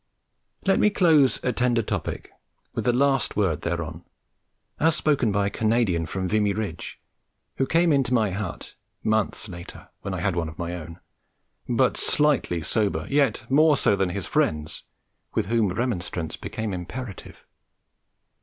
Let me close a tender topic with the last word thereon, as spoken by a Canadian from Vimy Ridge, who came into my hut (months later, when I had one of my own) but slightly sober, yet more so than his friends, with whom remonstrance became imperative.